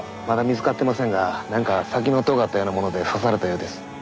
まだ見つかってませんがなんか先のとがったようなもので刺されたようです。